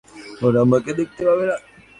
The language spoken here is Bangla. ওরা আমাকে দেখতে পাবে না।